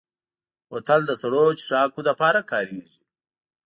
بوتل د سړو څښاکو لپاره کارېږي.